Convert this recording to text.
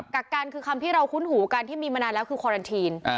กักกันคือคำที่เราคุ้นหูกันที่มีมานานแล้วคือคอรันทีน